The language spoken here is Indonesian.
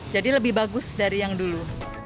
jadi lebih bagus dari yang dulu